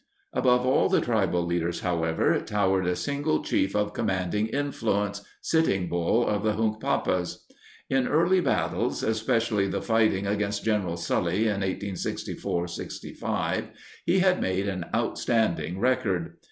Above all the tribal leaders, however, towered a single chief of commanding influence— Sitting Bull of the Hunkpapas. In earlier battles, especially the fighting against General Sully in 1864 65, he had made an outstanding record.